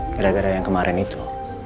gara gara yang kemarin itu